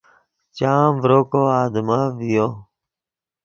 چام ڤرو کو آدمف ڤیو